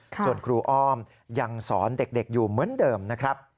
ส่วนครูอ้อมยังสอนเด็กอยู่เหมือนเดิมนะครับ